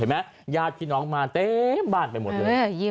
เห็นไหมยาติพี่น้องมาเต็มบ้านไปหมดเลย